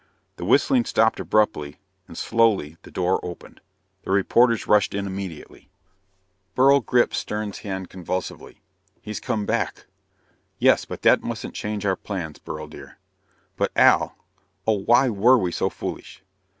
The whistling stopped abruptly and, slowly, the door opened. The reporters rushed in immediately. Beryl gripped Stern's hand convulsively. "He's come back." "Yes, but that mustn't change our plans, Beryl dear." "But, Al ... Oh, why were we so foolish?"